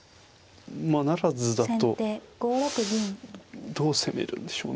まあ不成だとどう攻めるんでしょうね。